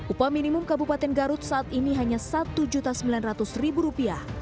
upah minimum kabupaten garut saat ini hanya rp satu sembilan ratus